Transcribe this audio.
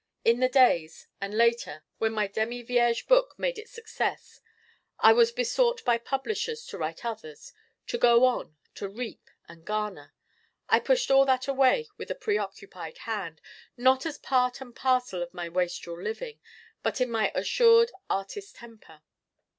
In the days, and later, when my demi vierge book made its success I was besought by publishers to write others to go on, to reap and garner. I pushed all that away with a preoccupied hand, not as part and parcel of my wastrel living but in my assured Artist temper.